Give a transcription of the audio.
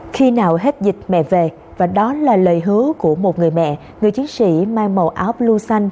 khi nào hết dịch mẹ về và đó là lời hứa của một người mẹ người chiến sĩ mang màu áo blu xanh